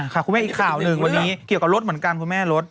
คุณแม่อีกข่าวหนึ่งวันนี้เกี่ยวกับรถเหมือนกันคุณแม่รถ